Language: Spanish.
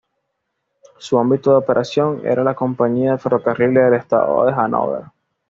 Su ámbito de operación era la compañía de ferrocarriles del estado de Hannover.